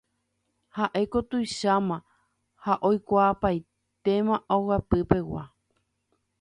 Ha'éko tuicháma ha oikuaapaitéma ogapypegua.